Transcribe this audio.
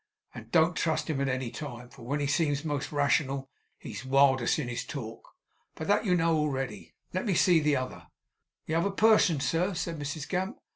And don't trust him at any time; for when he seems most rational, he's wildest in his talk. But that you know already. Let me see the other.' 'The t'other person, sir?' said Mrs Gamp.